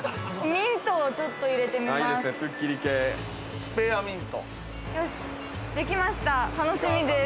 ミントをちょっと入れてみます。